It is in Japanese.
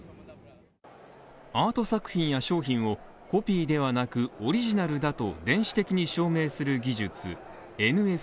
アート作品や商品をコピーではなく、オリジナルだと電子的に証明する技術、ＮＦＴ。